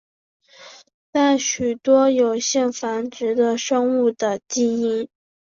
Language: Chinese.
在许多有性繁殖的生物的基因。